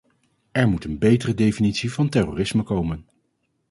Er moet een betere definitie van terrorisme komen.